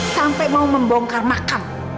sampai mau membongkar makam